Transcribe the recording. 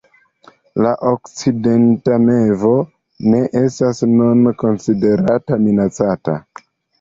La Okcidenta mevo ne estas nune konsiderata minacata.